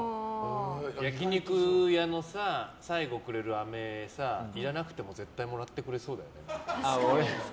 焼き肉屋の最後くれる飴さいらなくても絶対もらってくれそうだよね。